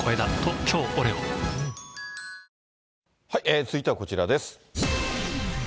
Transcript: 続いてはこちらです。